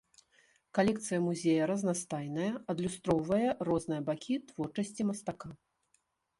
Калекцыя музея разнастайная, адлюстроўвае розныя бакі творчасці мастака.